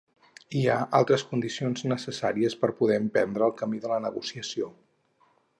Hi ha altres condicions necessàries per poder emprendre el camí de la negociació.